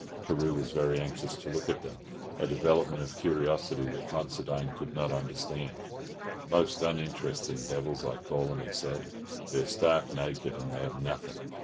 Carew was very anxious to look at them, a development of curiosity that Considine could not understand. "Most uninteresting devils, I call 'em," he said. "They're stark naked, and they have nothing.